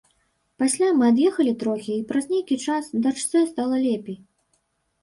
Пасля мы ад'ехалі трохі, і праз нейкі час дачцэ стала лепей.